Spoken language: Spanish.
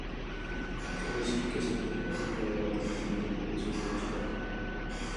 Cabe decir que esa fue la única derrota que Iturbide sufrió en su carrera.